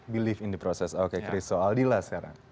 beli dalam proses oke christo aldila saran